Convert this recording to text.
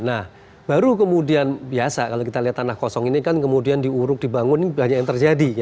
nah baru kemudian biasa kalau kita lihat tanah kosong ini kan kemudian diuruk dibangun ini banyak yang terjadi